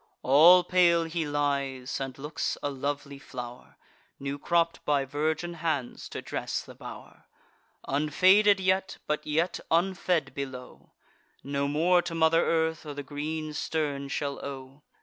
All pale he lies, and looks a lovely flow'r, New cropp'd by virgin hands, to dress the bow'r: Unfaded yet, but yet unfed below, No more to mother earth or the green stern shall owe.